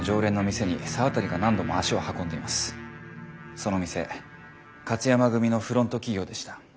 その店勝山組のフロント企業でした。